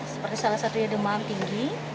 seperti salah satunya demam tinggi